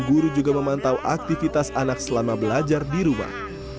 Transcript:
guru juga memantau aktivitas anak selama belajar di rumah